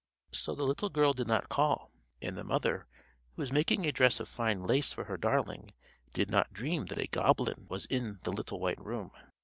So the little girl did not call; and the mother, who was making a dress of fine lace for her darling, did not dream that a goblin was in the little white room.